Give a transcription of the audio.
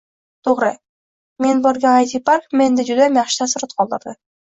Toʻgʻri, men borgan AyTi-park menda judayam yaxshi taassurot qoldirdi.